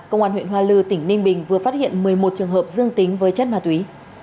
công an huyện hoa lư tỉnh ninh bình vừa phát hiện một mươi một trường hợp dương tính với chất ma túy